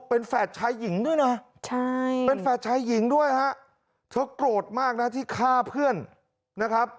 เป็นแฝดชายหญิงด้วยนะใช่เป็นแฝดชายหญิงด้วยฮะเธอโกรธมากนะที่ฆ่าเพื่อนนะครับ